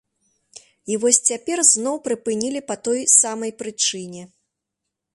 І вось цяпер зноў прыпынілі па той самай прычыне.